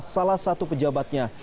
salah satu pejabatnya